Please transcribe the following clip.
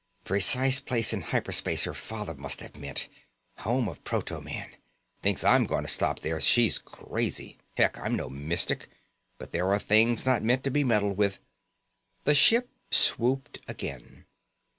_... precise place in hyper space her father must have meant ... home of proto man ... thinks I'm going to stop there, she's crazy ... heck, I'm no mystic, but there are things not meant to be meddled with ..._ The ship swooped again.